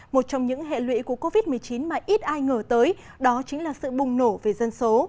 một trong những hệ lụy của covid một mươi chín mà ít ai ngờ tới đó chính là sự bùng nổ về dân số